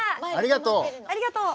ありがとう。